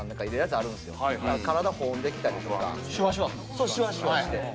そうシュワシュワして。